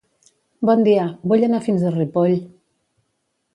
Bon dia, vull anar fins a Ripoll.